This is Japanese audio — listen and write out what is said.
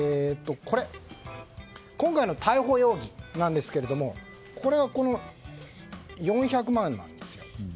今回の逮捕容疑なんですが４００万円なんですよ。